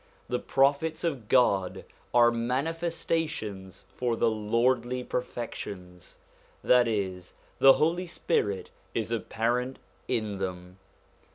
The Prophets of God are mani festations for the lordly perfections ; that is, the Holy Spirit is apparent in them.